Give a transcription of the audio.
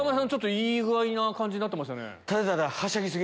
いい具合な感じになってましたね。